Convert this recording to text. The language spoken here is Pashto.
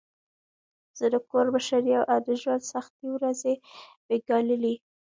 زه د کور مشر یم او د ژوند سختې ورځي مې ګاللي.